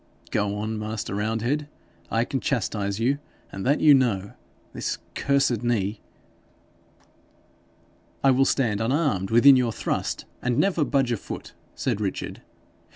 'Go on, master Roundhead! I can chastise you, and that you know. This cursed knee ' 'I will stand unarmed within your thrust, and never budge a foot,' said Richard.